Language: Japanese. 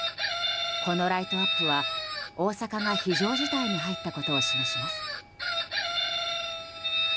このライトアップは大阪が非常事態に入ったことを示します。